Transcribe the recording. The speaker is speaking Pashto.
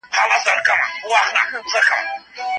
حقیقي ژوند تر مجازي ژوند غوره دی.